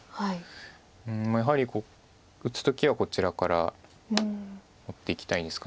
やはり打つ時はこちらから打っていきたいですか。